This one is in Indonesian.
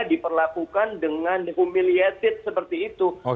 diperlakukan dengan humiliated seperti itu